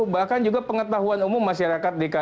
bahkan juga pengetahuan umum masyarakat dki jakarta